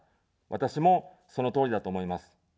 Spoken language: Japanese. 私も、そのとおりだと思います。